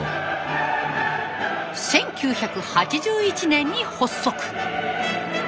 １９８１年に発足。